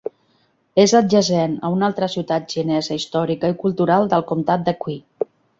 És adjacent a una altra ciutat xinesa històrica i cultural del comtat de Qi.